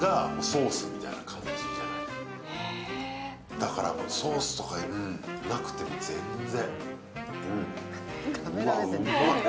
だからソースとかなくても全然。